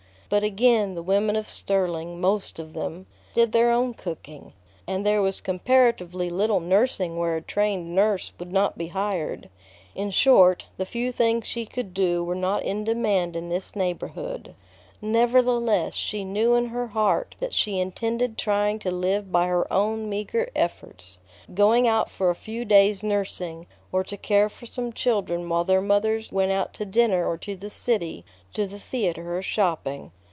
But again the women of Sterling, most of them, did their own cooking, and there was comparatively little nursing where a trained nurse would not be hired. In short, the few things she could do were not in demand in this neighborhood. Nevertheless, she knew in her heart that she intended trying to live by her own meagre efforts, going out for a few days nursing, or to care for some children while their mothers went out to dinner or to the city, to the theatre or shopping.